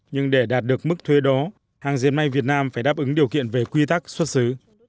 nhưng để đạt được mức thuế đó hàng diệt may việt nam phải đáp ứng điều kiện về quy tắc xuất xứ